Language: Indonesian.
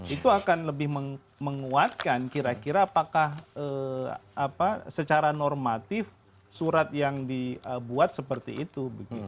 itu akan lebih menguatkan kira kira apakah secara normatif surat yang dibuat seperti itu